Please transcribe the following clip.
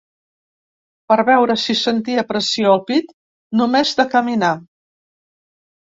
Per veure si sentia pressió al pit només de caminar.